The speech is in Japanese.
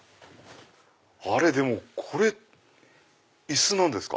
でもこれ椅子なんですか？